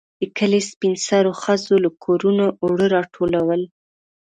د کلي سپين سرو ښځو له کورونو اوړه راټولول.